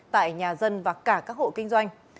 tại nhà dân và cả các hộ kinh doanh